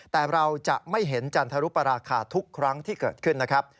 แต่เราจะไม่เห็นจันทรุปราคาทุกครั้งที่เกิดขึ้นนะครับ